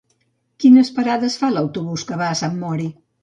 Quines parades fa l'autobús que va a Sant Mori?